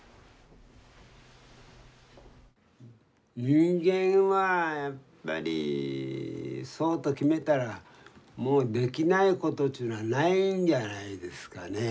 人間はやっぱりそうと決めたらもうできないことちゅうのはないんじゃないですかね。